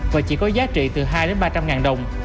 và chỉ có giá trị từ hai đến ba trăm linh ngàn đồng